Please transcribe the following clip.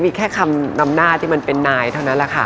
มีแค่คำนำหน้าที่มันเป็นนายเท่านั้นแหละค่ะ